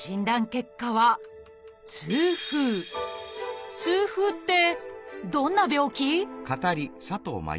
結果は「痛風」ってどんな病気？